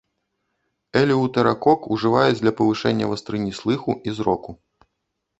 Элеўтэракок ужываюць для павышэння вастрыні слыху і зроку.